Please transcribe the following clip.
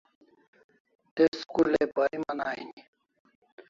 Te school ai pariman aini